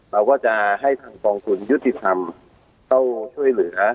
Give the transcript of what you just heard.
เราก็จะให้ทางกองทุนยุติธรรมต้องช่วยเหลือ